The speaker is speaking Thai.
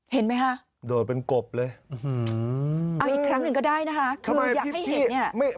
เห็นมั้ยฮะอีกครั้งหนึ่งก็ได้นะฮะคืออยากให้เห็นเนี่ย